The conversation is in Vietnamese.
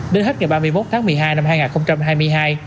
đến hết ngày ba mươi một tháng một mươi hai năm hai nghìn hai mươi hai